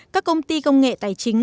các công ty công nghệ tài chính